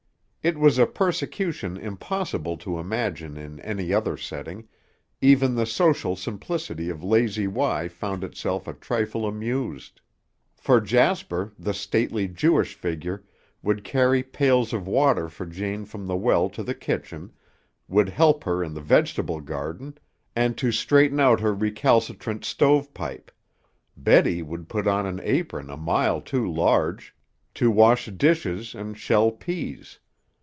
It was a persecution impossible to imagine in any other setting, even the social simplicity of Lazy Y found itself a trifle amused. For Jasper, the stately Jewish figure, would carry pails of water for Jane from the well to the kitchen, would help her in the vegetable garden, and to straighten out her recalcitrant stove pipe; Betty would put on an apron a mile too large, to wash dishes and shell peas.